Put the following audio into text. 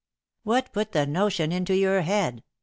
"What put the notion into your head?"